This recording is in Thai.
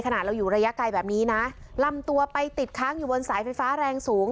เราอยู่ระยะไกลแบบนี้นะลำตัวไปติดค้างอยู่บนสายไฟฟ้าแรงสูง